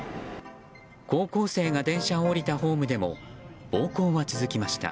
高校生が電車を降りたホームでも暴行は続きました。